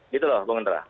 gitu loh bung indra